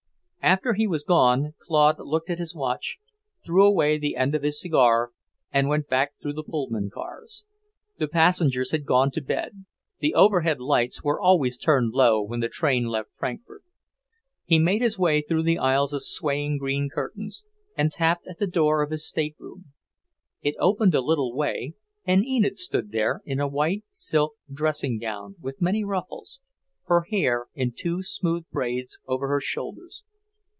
After he was gone, Claude looked at his watch, threw away the end of his cigar, and went back through the Pullman cars. The passengers had gone to bed; the overhead lights were always turned low when the train left Frankfort. He made his way through the aisles of swaying green curtains, and tapped at the door of his state room. It opened a little way, and Enid stood there in a white silk dressing gown with many ruffles, her hair in two smooth braids over her shoulders.